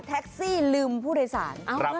แท็กซี่ลืมผู้โดยสาร